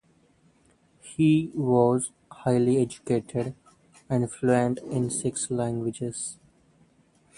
He was highly educated and fluent in six languages.